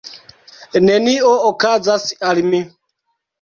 Nenio okazas al mi.